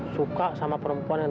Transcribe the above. suka sama perempuan yang